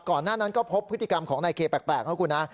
ก่อนหน้านั้นก็พบพฤติกรรมของนายเคแปลกนะครับคุณ